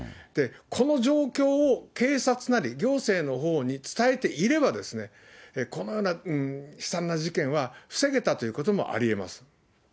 この状況を警察なり、行政のほうに伝えていればですね、このような悲惨な事件は防げたということもありえます。